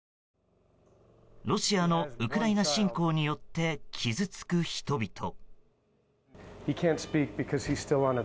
ロシアのウクライナ侵攻によって傷つく人々。